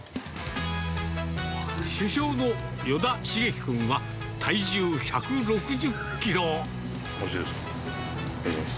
主将の依田しげき君は、おいしいです。